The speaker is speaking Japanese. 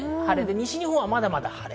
西日本はまだまだ晴れ。